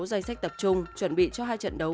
danh sách tập trung chuẩn bị cho hai trận đấu